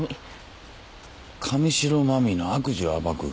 神代真実の悪事を暴く？